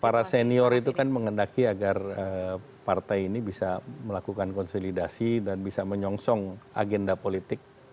para senior itu kan mengendaki agar partai ini bisa melakukan konsolidasi dan bisa menyongsong agenda politik